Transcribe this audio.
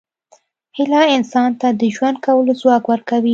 هیله انسان ته د ژوند کولو ځواک ورکوي.